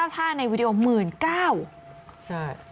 ๑๐๙ท่าในวีดีโอ๑๙๐๐๐บาท